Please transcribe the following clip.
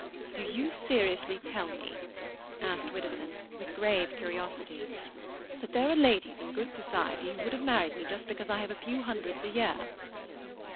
"Do you seriously tell me," asked Widdowson, with grave curiosity, "that there are ladies in good society who would have married me just because I have a few hundreds a year?"